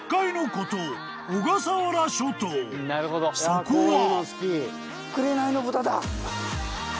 ［そこは］